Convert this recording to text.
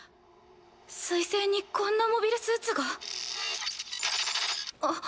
水星にこんなモビルスーツが。ザザザッあっ。